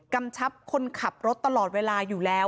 กำชับคนขับรถตลอดเวลาอยู่แล้ว